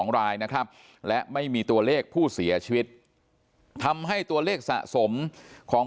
รายนะครับและไม่มีตัวเลขผู้เสียชีวิตทำให้ตัวเลขสะสมของ